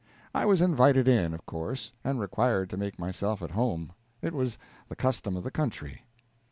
I was invited in, of course, and required to make myself at home it was the custom of the country.